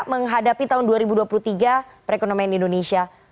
menghadapi tahun dua ribu dua puluh tiga perekonomian indonesia